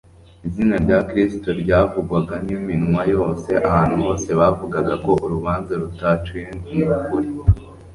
izina rya Kristo ryavugwaga n'iminwa yose, ahantu hose bavugaga ko urubanza rutaciwe mu kuri,